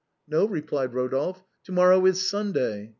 " No," replied Eodolphe, " to morrow is Sunday."